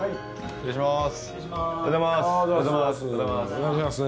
・失礼します。